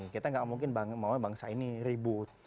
kita nggak mungkin mau bangsa ini ribut